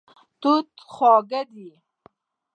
توت خواږه دی.